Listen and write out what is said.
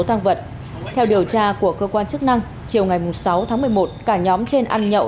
tăng vật theo điều tra của cơ quan chức năng chiều ngày sáu tháng một mươi một cả nhóm trên ăn nhậu